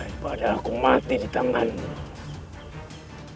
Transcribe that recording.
baik padahal aku mati ditemanmu